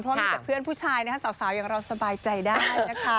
เพราะมีแต่เพื่อนผู้ชายสาวยังรอสบายใจได้นะคะ